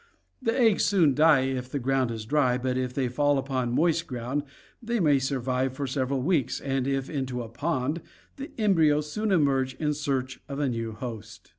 The eggs soon die if the ground is dry, but if they fall upon moist ground they may survive for several weeks, and if into a pond the embryos soon emerge in search of a new host.